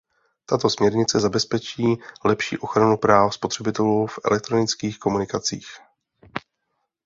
Tato směrnice zabezpečí lepší ochranu práv spotřebitelů v elektronických komunikacích.